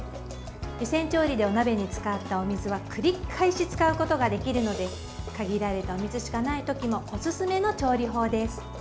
湯煎調理でお鍋に使ったお水は繰り返し使うことができるので限られたお水しかない時のおすすめの調理法です。